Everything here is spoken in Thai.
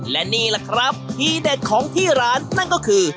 และนี่แหละครับทีเด็ดของที่ร้านนั่นก็คือ